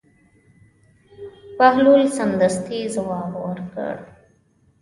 بهلول سمدستي ځواب ورکړ: هو.